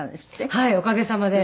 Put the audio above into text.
はいおかげさまで！